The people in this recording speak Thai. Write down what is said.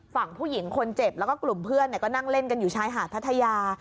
ฝั่งผู้หญิงคนเจ็บแล้วก็กลุ่มเพื่อนก็นั่งเล่นกันอยู่ชายหาดพัทยา